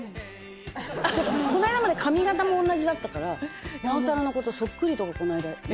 この間まで髪形も同じだったからなおさらの事そっくりとこの間言われた。